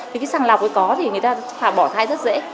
thì cái sàng lọc ấy có thì người ta bỏ thai rất dễ